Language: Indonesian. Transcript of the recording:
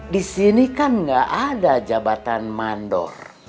di sini kan gak ada jabatan mandor